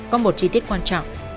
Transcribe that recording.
có một chi tiết quan trọng